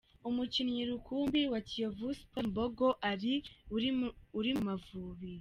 Umukinnyi rukumbi wa Kiyovu sports Mbogo Ally uri mu Amavubi